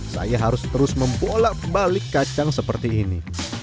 saya harus terus membolak balik kacang seperti ini